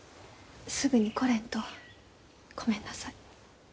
すぐに来れんとごめんなさい。